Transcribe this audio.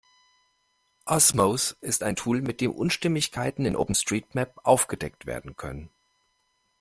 Osmose ist ein Tool, mit dem Unstimmigkeiten in OpenStreetMap aufgedeckt werden können.